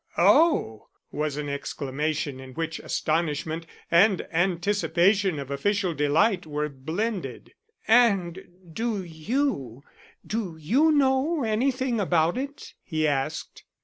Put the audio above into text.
"Oh!" It was an exclamation in which astonishment and anticipation of official delight were blended. "And do you do you know anything about it?" he asked.